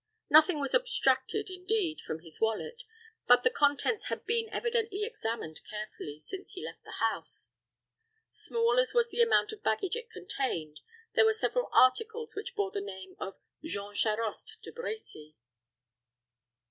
Nothing was abstracted, indeed, from his wallet; but the contents had been evidently examined carefully since he left the house. Small as was the amount of baggage it contained, there were several articles which bore the name of "Jean Charost de Brecy."